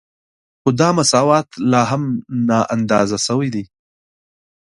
خو دا مساوات لا هم نااندازه شوی دی